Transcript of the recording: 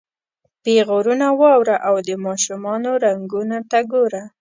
پیغورونه واوره او د ماشومانو رنګونو ته ګوره.